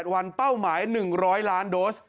วันเป้าหมาย๑๐๐ล้านโดส